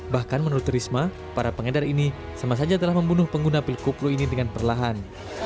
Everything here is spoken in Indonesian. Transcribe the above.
bahkan menurut risma para pengedar ini sama saja telah membunuh pengguna pilkuklu ini dengan perlahan